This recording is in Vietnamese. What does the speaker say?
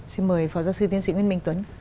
xin mời phó giáo sư tiến sĩ nguyễn minh tuấn